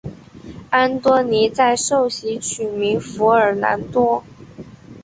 安多尼在受洗取名福尔南多。